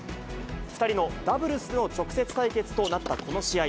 ２人のダブルスの直接対決となったこの試合。